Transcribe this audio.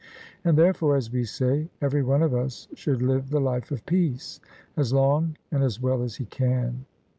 And therefore, as we say, every one of us should live the life of peace as long and as well as he can.